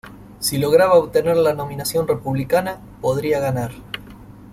Si lograba obtener la nominación republicana, podría ganar.